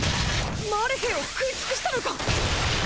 マーレ兵を食い尽くしたのか⁉